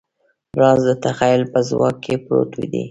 راز د تخیل په ځواک کې پروت دی.